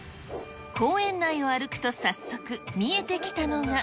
公園内を歩くと、早速見えてきたのが。